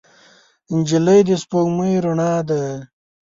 نجلۍ د سپوږمۍ رڼا ده.